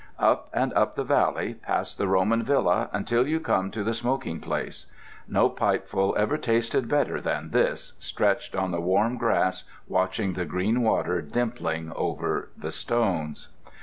Up and up the valley, past the Roman villa, until you come to the smoking place. No pipeful ever tasted better than this, stretched on the warm grass watching the green water dimpling over the stones.